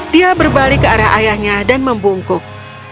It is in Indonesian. dia berbalik ke arah ayahnya dan membungkuk